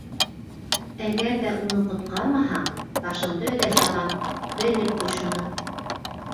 Әгәр ҙә уны ҡотҡармаһаң, башыңды өҙә сабам, белеп ҡуй шуны!